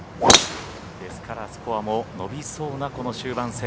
ですから、スコアも伸びそうなこの終盤戦。